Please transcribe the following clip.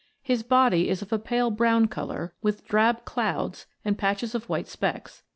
His body is of a pale brown colour, with drab clouds, and patches of white specks.